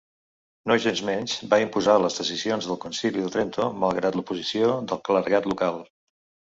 Nogensmenys va imposar les decisions del concili de Trento, malgrat l'oposició del clergat local.